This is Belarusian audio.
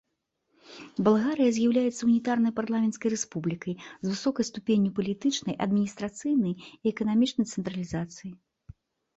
Балгарыя з'яўляецца унітарнай парламенцкай рэспублікай з высокай ступенню палітычнай, адміністрацыйнай і эканамічнай цэнтралізацыі.